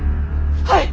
はい！